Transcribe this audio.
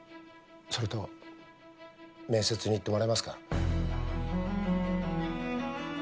それと面接に行ってもらえますか？